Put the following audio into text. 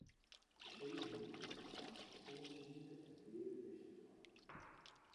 De seehûnegryp hat foar in soad sike en deade bisten soarge.